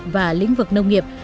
và lĩnh vực nông nghiệp